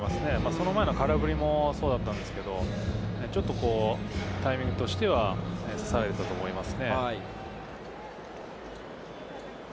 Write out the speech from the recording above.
その前の空振りもそうだったんですけど、ちょっとタイミングとしては５番のロハス・ジュニアです。